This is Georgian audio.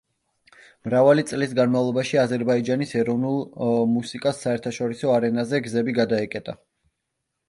მრავალი წლის განმავლობაში, აზერბაიჯანის ეროვნულ მუსიკას საერთაშორისო არენაზე გზები გადაეკეტა.